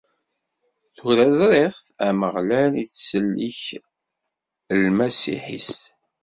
Tura zṛiɣ-t, Ameɣlal ittsellik lmasiḥ-is.